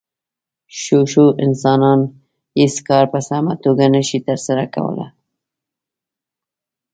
شو شو انسانان هېڅ کار په سمه توګه نشي ترسره کولی.